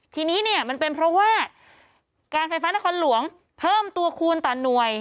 ทีนี้เนี่ยมันเป็นเพราะว่าการไฟฟ้านครหลวงเพิ่มตัวคูณต่อหน่วย